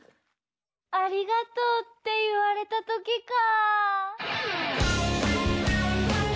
「ありがとう」っていわれたときか。